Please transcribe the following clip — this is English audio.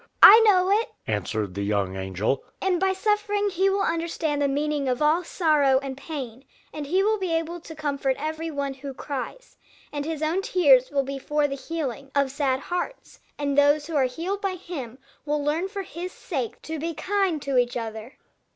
"I know it," answered the young angel, "and by suffering he will understand the meaning of all sorrow and pain; and he will be able to comfort every one who cries; and his own tears will be for the healing of sad hearts; and those who are healed by him will learn for his sake to be kind to each other."